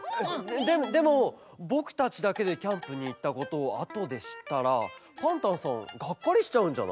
ででもぼくたちだけでキャンプにいったことをあとでしったらパンタンさんがっかりしちゃうんじゃない？